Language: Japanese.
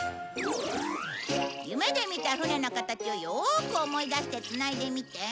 夢で見た舟の形をよく思い出してつないでみて。